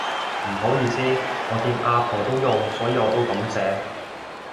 唔好意思，我見阿婆都用所以我都噉寫